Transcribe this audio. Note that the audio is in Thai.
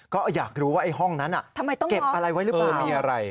ก็อยากรู้ว่าไอ้ห้องนั้นเก็บอะไรไว้หรือเปล่ามีอะไร